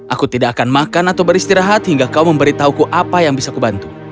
aku tidak akan makan atau beristirahat hingga kau memberitahuku apa yang bisa kubantu